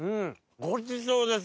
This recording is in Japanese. ごちそうです。